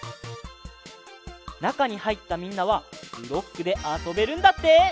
なかにはいったみんなはブロックであそべるんだって！